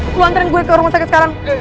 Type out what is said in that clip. lu anterin gue ke rumah sakit sekarang